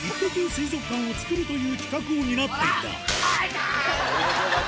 水族館を作るという企画を担っていた面白かったな。